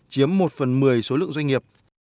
chiếm một phần mười số lượng doanh nghiệp